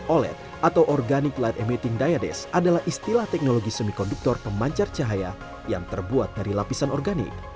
oled atau organic light emiting diades adalah istilah teknologi semikonduktor pemancar cahaya yang terbuat dari lapisan organik